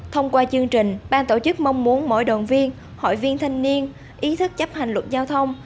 thông qua chương trình ban tổ chức mong muốn mỗi đoàn viên hội viên thanh niên ý thức chấp hành luật giao thông